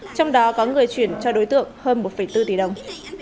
trong đó có người chuyển cho đối tượng hơn một bốn tỷ đồng